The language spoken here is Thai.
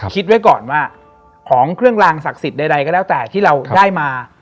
คิดไว้ก่อนว่าของเครื่องลางศักดิ์สิทธิ์ใดก็แล้วแต่ที่เราได้มา